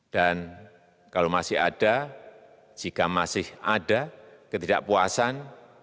dan kalau masih ada jika masih ada ketidakpuasan